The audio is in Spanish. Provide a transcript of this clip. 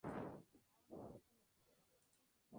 No tardaría en convertirse en referente del equipo.